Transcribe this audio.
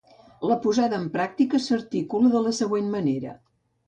La posada en pràctica s'articula de la següent manera.